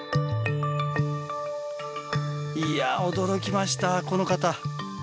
いやあ驚きましたこの方。